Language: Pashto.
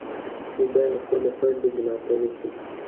موږ باید له خپلو خویندو ملاتړ وکړو.